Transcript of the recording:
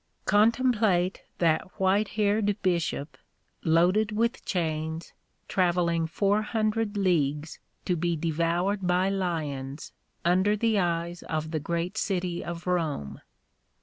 Contemplate that white haired bishop, loaded with chains, travelling four hundred leagues to be devoured by lions under the eyes of the great city of Rome.